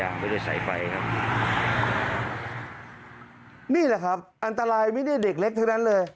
นี่แหละครับอันตรายไม่ได้เด็กเล็กทั้งนั้นเลย